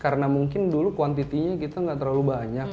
karena mungkin dulu kuantitinya kita nggak terlalu banyak